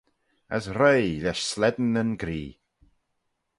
As roie lesh slane nyn gree.